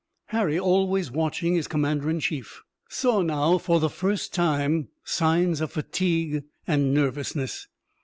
Harry, always watching his commander in chief, saw now for the first time signs of fatigue and nervousness.